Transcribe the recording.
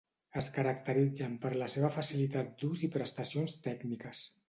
Es caracteritzen per la seva facilitat d'ús i prestacions tècniques.